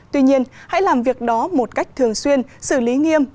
tuy nhiên hãy làm việc đó một cách thường xuyên xử lý nghiêm